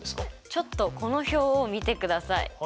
ちょっとこの表を見てください！